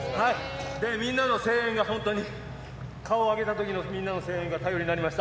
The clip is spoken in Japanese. みんなの声援が本当に、顔上げたときのみんなの声援が頼りになりました。